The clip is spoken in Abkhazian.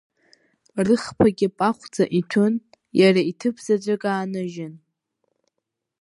Рыхԥагьы пахәӡа иҭәын, иара иҭыԥ заҵәык ааныжьын.